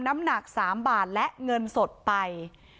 น้ำหนัก๓บาทและเงินสดไป